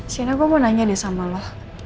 sianah gua mau nanya deh sama lu